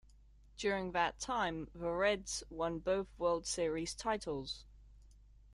During that time, the Reds won both World Series titles.